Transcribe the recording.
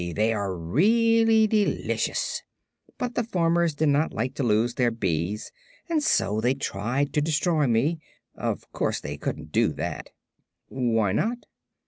They are really delicious. But the farmers did not like to lose their bees and so they tried to destroy me. Of course they couldn't do that." "Why not?"